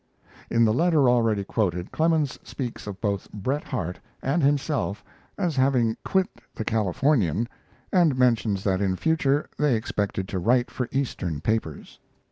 In the letter already quoted, Clemens speaks of both Bret Harte and himself as having quit the 'Californian' in future expecting to write for Eastern papers.